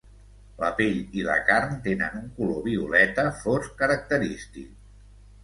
La pell i la carn tenen un color violeta fosc característic.